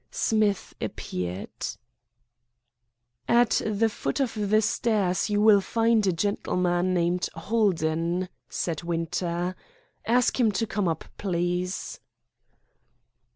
Smith appeared. "At the foot of the stairs you will find a gentleman named Holden," said Winter. "Ask him to come up, please."